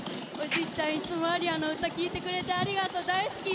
いつも、ありあの歌聴いてくれてありがとう、大好きよ。